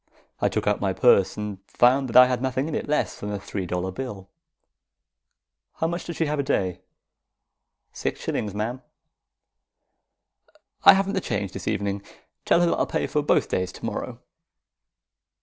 I took out my purse, and found that I had nothing in it less than a three dollar bill. "How much does she have a day?" "Six shillings, ma'am." "I haven't the change this evening. Tell her that I'll pay for both days to morrow."